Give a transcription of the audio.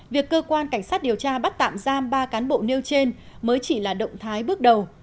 việc cơ quan cảnh sát điều tra bắt tạm giam ba cán bộ nêu trên mới chỉ là động thái bước đầu